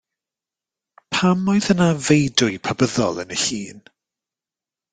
Pam oedd yna feudwy Pabyddol yn y llun?